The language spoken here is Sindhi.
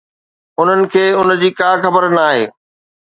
انهن کي ان جي ڪا خبر ناهي؟